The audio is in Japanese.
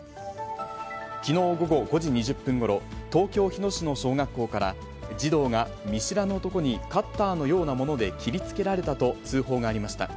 きのう午後５時２０分ごろ、東京・日野市の小学校から、児童が見知らぬ男にカッターのようなもので切りつけられたと通報がありました。